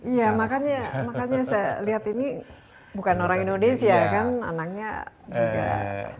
iya makanya saya lihat ini bukan orang indonesia kan anaknya juga